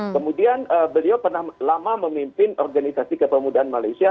kemudian beliau pernah lama memimpin organisasi kepemudaan malaysia